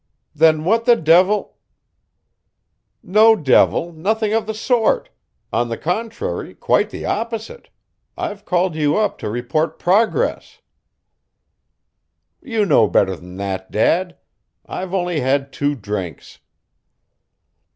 Then what the devil No devil, nothing of the sort. On the contrary, quite the opposite! I've called you up to report progress You know better than that, dad. I've only had two drinks.